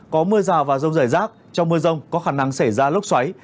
có mưa rào và rông rải rác trong mưa rông có khả năng xảy ra lốc xoáy